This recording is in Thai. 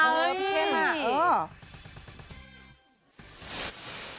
พี่เข้มอ่ะ